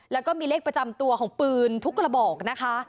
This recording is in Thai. แล้วก็มีเลขประจำตัวของปืนทุกกระบอกนะคะ